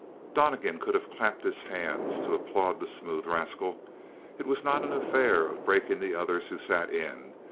Donnegan could have clapped his hands to applaud the smooth rascal. It was not an affair of breaking the others who sat in.